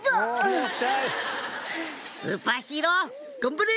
スーパーヒーロー頑張れ！